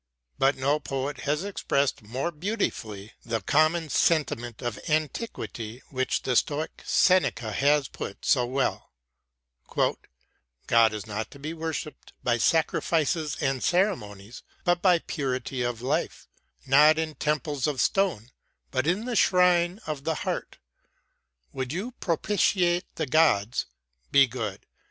But no poet has expressed more beautifully the common ii6 WORDSWORTH AS A TEACHER sentiment of antiquity which the Stoic Seneca has put so well :" God is not to be worshipped by sacrifices and ceremonies, but by purity of life ; not in temples of stone, but in the shrine of the heart. Would you propitiate the gods ? Be good.